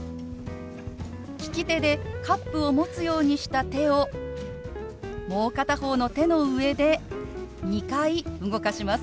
利き手でカップを持つようにした手をもう片方の手の上で２回動かします。